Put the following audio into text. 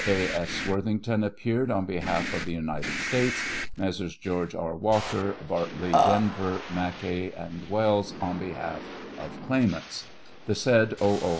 A. S. Worthington appeared on behalf of the United States; Messrs. George R. Walker, Bartley, Denver, Mackay, and Wells, on behalf of claimants. The said O. O.